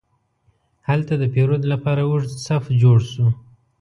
هلته د پیرود لپاره اوږد صف جوړ شو.